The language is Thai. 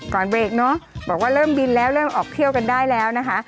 เบรกเนอะบอกว่าเริ่มบินแล้วเริ่มออกเที่ยวกันได้แล้วนะคะ